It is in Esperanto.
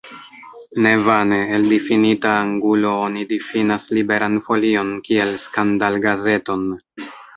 Ne vane, el difinita angulo oni difinas Liberan Folion kiel skandal-gazeton.